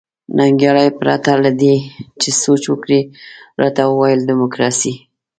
ننګیال پرته له دې چې سوچ وکړي راته وویل ډیموکراسي.